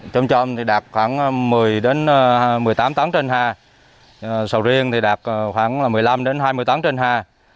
trôm trôm thì đạt khoảng một mươi tám tấn trên ha sầu riêng thì đạt khoảng một mươi năm hai mươi tấn trên ha